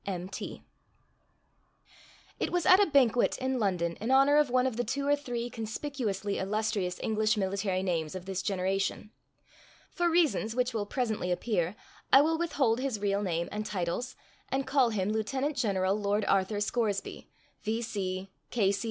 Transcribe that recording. —M.T.] It was at a banquet in London in honor of one of the two or three conspicuously illustrious English military names of this generation. For reasons which will presently appear, I will withhold his real name and titles, and call him Lieutenant General Lord Arthur Scoresby, V.C.